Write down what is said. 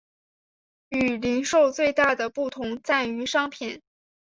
与零售最大的不同在于商品。